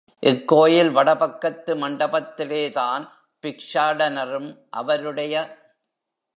இக்கோயில் வடபக்கத்து மண்டபத்திலேதான் பிக்ஷாடனரும், அவருடைய.